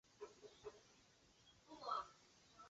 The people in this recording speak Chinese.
情绪处理的也很不错